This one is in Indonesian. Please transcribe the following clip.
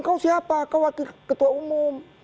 kau siapa kau wakil ketua umum